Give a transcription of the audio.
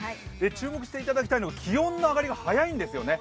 注目していただきたいのは気温の上がりが早いんですよね。